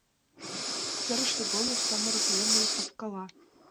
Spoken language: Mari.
Серыште Горлов самырык еҥым совкала.